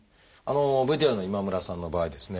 ＶＴＲの今村さんの場合ですね